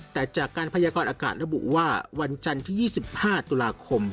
แต่จากการพยากรอากาศระบุว่าวันจันทร์ที่๒๕ตุลาคม